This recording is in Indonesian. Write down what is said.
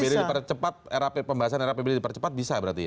apbd dipercepat era pembahasan era apbd dipercepat bisa berarti ya